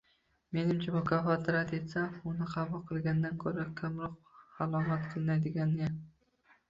Menimcha, mukofotni rad etsam uni qabul qilgandan ko‘ra kamroq malomat qilinadigandayman